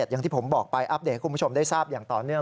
อย่างที่ผมบอกไปอัปเดตให้คุณผู้ชมได้ทราบอย่างต่อเนื่อง